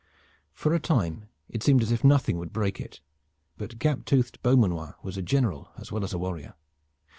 For a time it seemed as if nothing would break it, but gap toothed Beaumanoir was a general as well as a warrior.